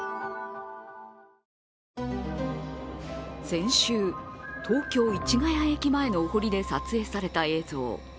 先週、東京・市ヶ谷駅前のお堀で撮影された映像。